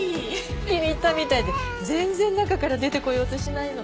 気に入ったみたいで全然中から出てこようとしないの。